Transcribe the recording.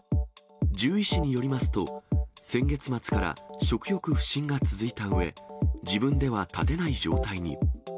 獣医師によりますと、先月末から食欲不振が続いたうえ、自分では立てない状態に。